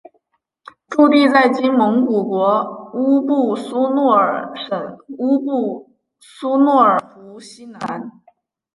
驻地在今蒙古国乌布苏诺尔省乌布苏诺尔湖西南。